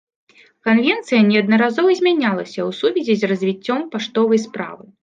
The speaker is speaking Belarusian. Канвенцыя неаднаразова змянялася ў сувязі з развіццём паштовай справы.